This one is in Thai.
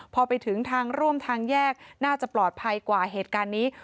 พอไปถึงทางร่วมทางแยกน่าจะปลอดภัยกว่าเหตุการณ์นี้